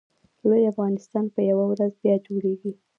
لوی افغانستان به یوه ورځ بیا جوړېږي